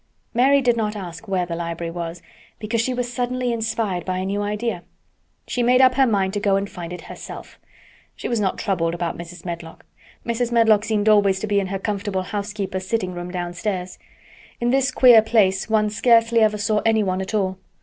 Mary did not ask where the library was, because she was suddenly inspired by a new idea. She made up her mind to go and find it herself. She was not troubled about Mrs. Medlock. Mrs. Medlock seemed always to be in her comfortable housekeeper's sitting room downstairs. In this queer place one scarcely ever saw anyone at all.